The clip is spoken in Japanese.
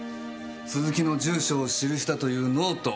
鈴木の住所を記したというノート。